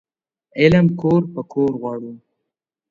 علم کور په کور غواړو